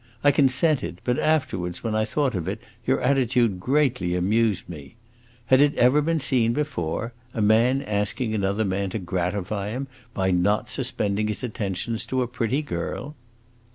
I consented, but afterwards, when I thought of it, your attitude greatly amused me. Had it ever been seen before? a man asking another man to gratify him by not suspending his attentions to a pretty girl!"